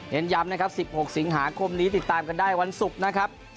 ย้ำนะครับ๑๖สิงหาคมนี้ติดตามกันได้วันศุกร์นะครับ